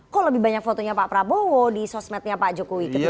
kok lebih banyak fotonya pak prabowo di sosmednya pak jokowi